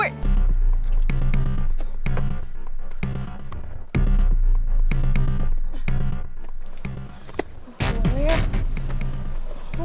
masuk kuliah dulu